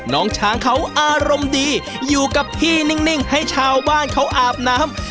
น้องช้างเขาอารมณ์ดีอยู่กับที่นิ่งให้ชาวบ้านเขาอาบน้ำ